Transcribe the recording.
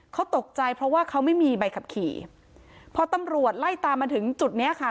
เขาตกใจเพราะว่าเขาไม่มีใบขับขี่พอตำรวจไล่ตามมาถึงจุดเนี้ยค่ะ